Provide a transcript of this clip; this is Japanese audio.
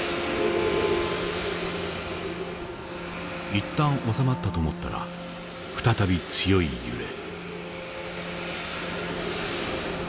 一旦収まったと思ったら再び強い揺れ。